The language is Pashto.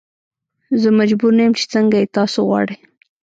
زه مجبور نه یم چې څنګه یې تاسو غواړئ.